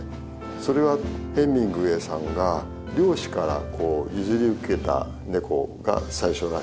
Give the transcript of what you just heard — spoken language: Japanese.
それはヘミングウェイさんが漁師から譲り受けたネコが最初らしいです。